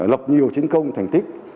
lập nhiều chiến công thành tích